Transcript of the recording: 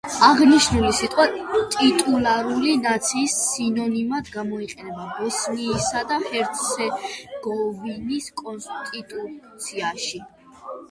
აღნიშნული სიტყვა ტიტულარული ნაციის სინონიმად გამოიყენება ბოსნიისა და ჰერცეგოვინის კონსტიტუციაში.